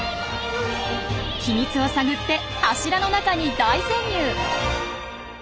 秘密を探って柱の中に大潜入。